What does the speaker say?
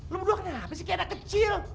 lo berdua kenapa sih kayak anak kecil